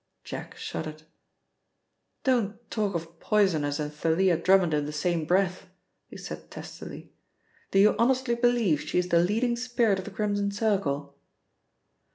Jack shuddered. "Don't talk of poisoners and Thalia Drummond in the same breath," he said testily. "Do you honestly believe she is the leading spirit of the Crimson Circle?"